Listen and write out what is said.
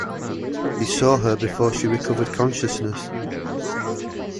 He saw her before she recovered consciousness.